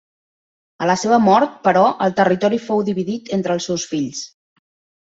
A la seva mort, però, el territori fou dividit entre els seus fills.